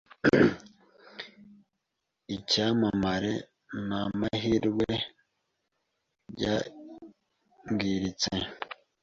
icyamamare n'amahirwe byangiritse